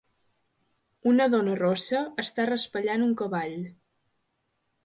Una dona rossa està raspallant un cavall.